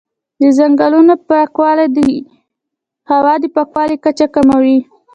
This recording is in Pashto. د ځنګلونو پرېکول د هوا د پاکوالي کچه کموي.